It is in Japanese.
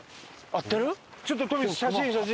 ちょっとトミー写真写真！